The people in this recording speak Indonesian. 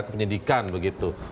ke penyidikan begitu